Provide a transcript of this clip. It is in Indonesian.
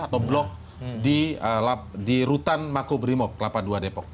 atau blok di rutan makubrimok delapan puluh dua depok